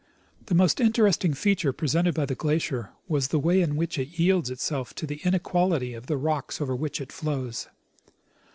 The most interesting feature presented by the glacier was the way in which it yields itself to the inequality of the rocks over which it flows.